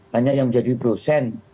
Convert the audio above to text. banyak yang jadi brosen